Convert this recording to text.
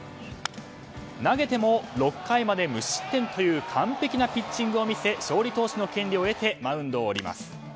投げても６回まで無失点という完璧なピッチングを見せ勝利投手の権利を得てマウンドを降ります。